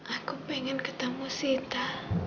aku pengen ketemu sita